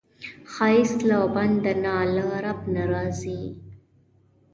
ښایست له بنده نه، له رب نه راځي